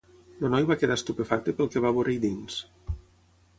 El noi va quedar estupefacte pel que va veure-hi dins.